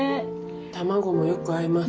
卵もよく合います。